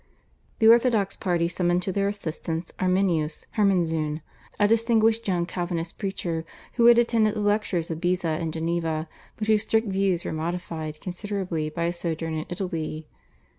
The orthodox party summoned to their assistance Arminius (Hermanzoon), a distinguished young Calvinist preacher, who had attended the lectures of Beza in Geneva, but whose strict views were modified considerably by a sojourn in Italy.